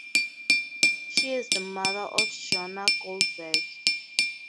She is the mother of Jonah Goldberg.